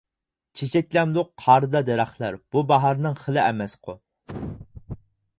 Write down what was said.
چېچەكلەمدۇ قاردا دەرەخلەر، بۇ باھارنىڭ خىلى ئەمەسقۇ.